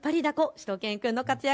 しゅと犬くんの活躍